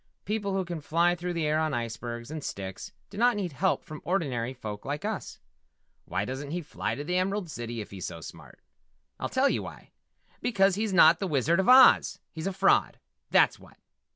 "People who can fly through the air on icebergs and sticks do not need help from ordinary folk like us. Why doesn't he fly to the Emerald City if he's so smart? I'll tell you why because he's not the Wizard of Oz! He's a fraud, that's what!"